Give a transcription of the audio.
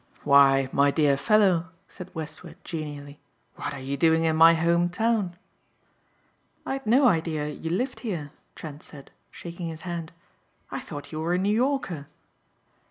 "Why, my dear fellow," said Westward genially, "what are you doing in my home town?" "I'd no idea you lived here," Trent said, shaking his hand. "I thought you were a New Yorker."